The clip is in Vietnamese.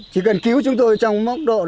chỉ cần cứu chúng tôi trong mốc độ